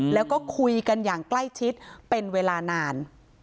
แล้วก็คุยกันอย่างใกล้ชิดเป็นเวลานาน